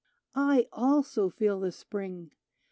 " I, also, feel the Spring !